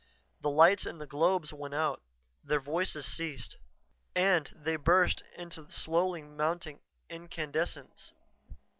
The lights in the globes went out; their voices ceased. And they burst into slowly mounting incandescence.